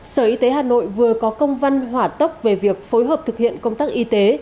sở y tế hà nội vừa có công văn hỏa tốc về việc phối hợp thực hiện công tác y tế